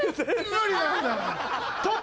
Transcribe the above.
無理なんだ！